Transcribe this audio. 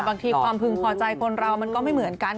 บางทีความพึงพอใจคนเรามันก็ไม่เหมือนกัน